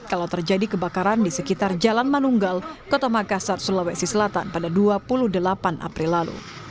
kalau terjadi kebakaran di sekitar jalan manunggal kota makassar sulawesi selatan pada dua puluh delapan april lalu